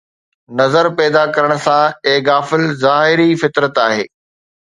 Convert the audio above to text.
نظر پيدا ڪرڻ سان، اي غافل ظاهر ئي فطرت آهي